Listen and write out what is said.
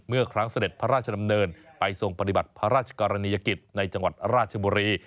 เมื่อครั้งเสด็จพระราชดำเนินไปทรงปฏิบัติพระราชกรณียกิจในจังหวัดราชบุรี